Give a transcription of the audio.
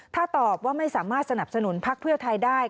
ถ้าตอบว่าไม่สามารถสนับสนุนพักเพื่อไทยได้